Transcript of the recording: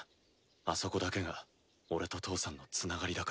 あそこだけが俺と父さんのつながりだから。